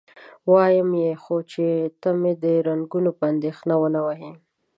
وایمه یې، خو چې ته مې د رنګونو په اندېښنه و نه وهې؟